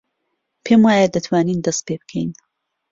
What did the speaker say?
پێم وایە دەتوانین دەست پێ بکەین.